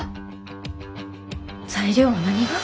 材料は何が？